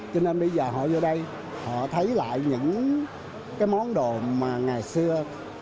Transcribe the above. cho nên bây giờ họ vô đây họ thấy lại những cái món đồ mà ngày xưa